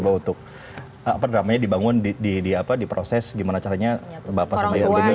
apa drama nya dibangun di proses gimana caranya bapak sambil antunnya